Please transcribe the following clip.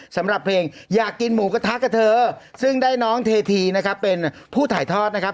สำหรับเพลงอยากกินหมูกระทะกับเธอซึ่งได้น้องเทพีนะครับเป็นผู้ถ่ายทอดนะครับ